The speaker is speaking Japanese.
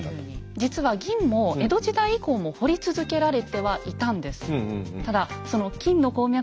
実は銀も江戸時代以降も掘り続けられてはいたんです。